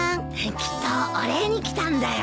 きっとお礼に来たんだよ。